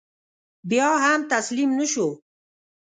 بیا هم تسلیم نه شو.